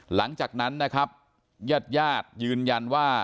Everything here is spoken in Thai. หลังจากนั้นนะครับญาติญาติยืนยันว่า